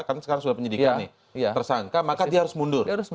karena sekarang sudah penyidikan nih tersangka maka dia harus mundur